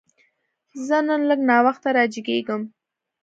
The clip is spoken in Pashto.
زه نن لږ ناوخته راجیګیږم